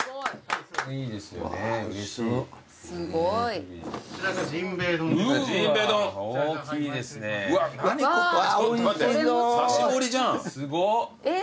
すごっ。